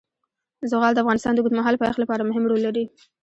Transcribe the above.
زغال د افغانستان د اوږدمهاله پایښت لپاره مهم رول لري.